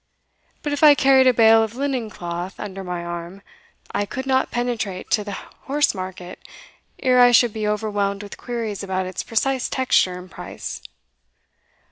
But if I carried a bale of linen cloth under my arm, I could not penetrate to the Horsemarket ere I should be overwhelmed with queries about its precise texture and price.